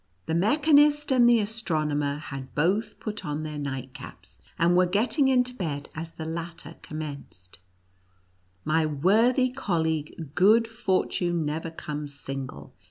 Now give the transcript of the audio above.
The mechanist and the astronomer had both put on their night caps, and were getting into bed as the latter commenced: "My wor thy colleague, good ^fortune never comes sin gle.